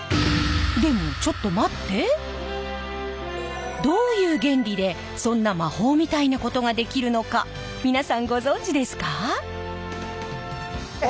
まさにどういう原理でそんな魔法みたいなことができるのか皆さんご存じですか？